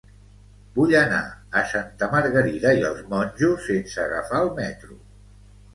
Vull anar a Santa Margarida i els Monjos sense agafar el metro.